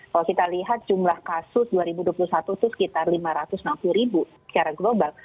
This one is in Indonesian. kalau kita lihat jumlah kasus dua ribu dua puluh satu itu sekitar lima ratus enam puluh ribu secara global